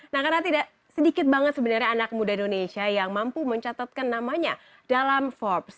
nah karena tidak sedikit banget sebenarnya anak muda indonesia yang mampu mencatatkan namanya dalam forbes